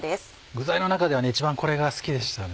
具材の中では一番これが好きでしたね。